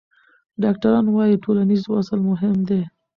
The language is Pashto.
ډاکټران وايي ټولنیز وصل مهم دی.